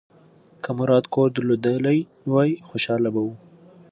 که مراد کور درلودلی وای، خوشاله به و.